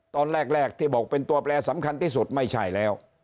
ตอนแรกที่บอกเป็นตัวแปรสำคัญที่สุดไม่ใช่แล้ว